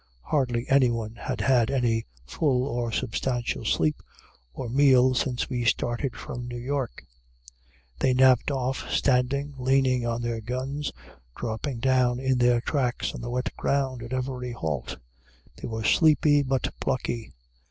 Hardly anyone had had any full or substantial sleep or meal since we started from New York. They napped off, standing, leaning on their guns, dropping down in their tracks on the wet ground, at every halt. They were sleepy, but plucky.